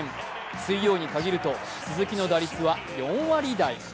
水曜に限ると鈴木の打率は４割台。